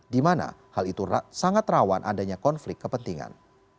di mana hal itu sangat rawan adanya konflik kepentingan